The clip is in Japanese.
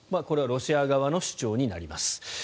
これはロシア側の主張になります。